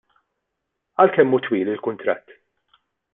Għal kemm hu twil il-kuntratt?